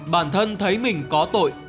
bản thân thấy mình có tội